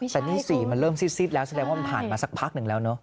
แต่นี่สีมันเริ่มซิดแล้วแสดงว่ามันผ่านมาสักพักหนึ่งแล้วเนอะ